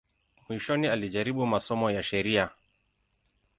Mwishoni alijaribu masomo ya sheria.